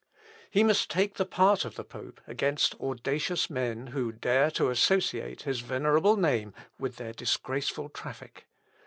He must take the part of the pope against audacious men, who dare to associate his venerable name with their disgraceful traffic.